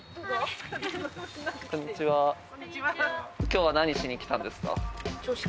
今日は何しに来たんですか？